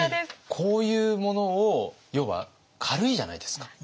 こういうものを要は軽いじゃないですか。